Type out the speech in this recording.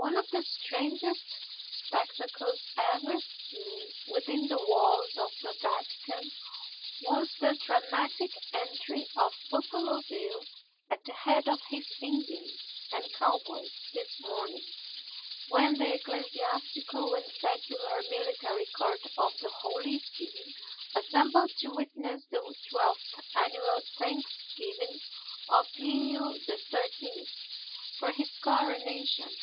One of the strangest spectacles ever seen within the walls of the Vatican was the dramatic entry of Buffalo Bill at the head of his Indians and cowboys this morning, when the ecclesiastical and secular military court of the Holy See assembled to witness the twelfth annual thanksgiving of Leo XIII. for his coronation.